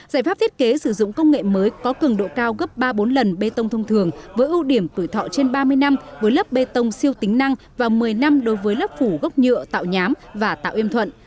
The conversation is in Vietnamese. giải pháp thiết kế sử dụng công nghệ mới có cường độ cao gấp ba bốn lần bê tông thông thường với ưu điểm tuổi thọ trên ba mươi năm với lớp bê tông siêu tính năng và một mươi năm đối với lớp phủ gốc nhựa tạo nhám và tạo yêm thuận